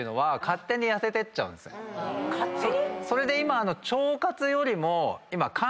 勝手に⁉それで今。